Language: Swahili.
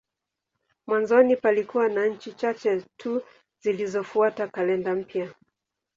Mwanzoni palikuwa na nchi chache tu zilizofuata kalenda mpya.